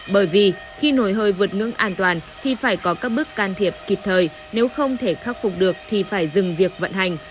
bởi vì khi nồi hơi vượt ngưỡng an toàn thì phải có các bước can thiệp kịp thời nếu không thể khắc phục được thì phải dừng việc vận hành